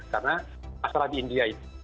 karena masalah di india itu